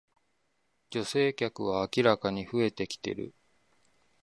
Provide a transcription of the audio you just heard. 女性客は明らかに増えてきてる